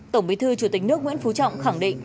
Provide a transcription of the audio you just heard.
tổng bí thư chủ tịch nước nguyễn phú trọng khẳng định